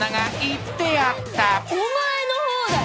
お前の方だよ！